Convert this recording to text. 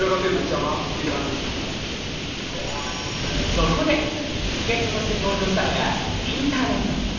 そこで助っ人として登場したのがインターネット。